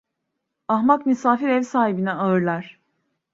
Ahmak misafir ev sahibini ağırlar.